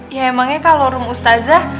ya emangnya kalau room ustazah